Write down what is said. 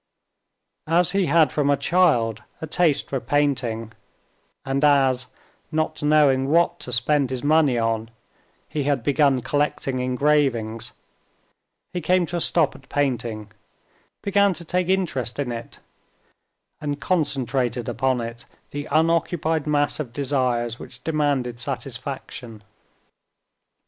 As he had from a child a taste for painting, and as, not knowing what to spend his money on, he had begun collecting engravings, he came to a stop at painting, began to take interest in it, and concentrated upon it the unoccupied mass of desires which demanded satisfaction.